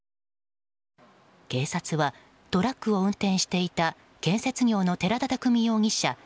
警察はトラックを運転していた建設業の寺田拓海容疑者